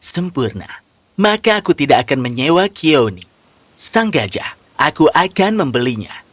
sempurna maka aku tidak akan menyewa kioni sang gajah aku akan membelinya